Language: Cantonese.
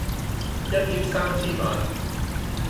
一億三千萬